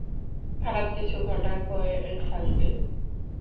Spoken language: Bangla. খারাপ কিছু ঘটার ভয়ে থাকবে।